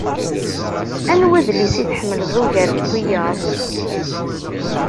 Anwa adlis i tḥemmlem ugar n wiyaḍ?